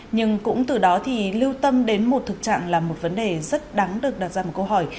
nhưng cũng từ đó thì lưu tâm đến một thực trạng là một vấn đề rất đáng được đặt ra một câu hỏi